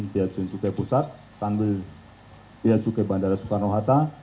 biadjunkai bandara soekarno hatta